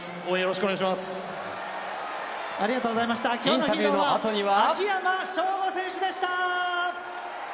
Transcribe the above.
インタビューのあとには。